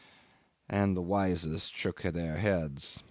. and the wisest shook their heads.